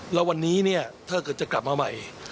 แล้ววันนี้เนี่ยถ้าเกิดจะกลับมาใหม่